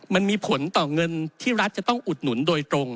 มันมีผลต่อเงินที่รัฐจะต้องอุดหนุนโดยตรง